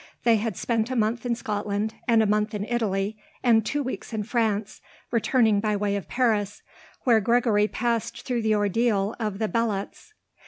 They had spent a month in Scotland and a month in Italy and two weeks in France, returning by way of Paris, where Gregory passed through the ordeal of the Belots.